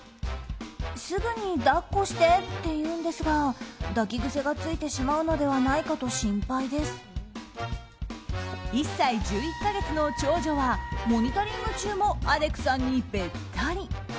すぐに抱っこしてって言うんですが抱き癖がついてしまうのではないかと１歳１１か月の長女はモニタリング中もアレクさんにべったり。